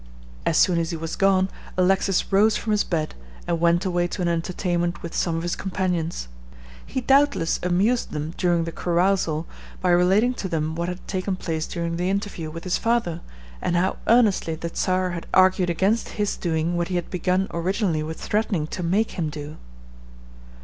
As soon as he was gone Alexis rose from his bed, and went away to an entertainment with some of his companions. He doubtless amused them during the carousal by relating to them what had taken place during the interview with his father, and how earnestly the Czar had argued against his doing what he had begun originally with threatening to make him do.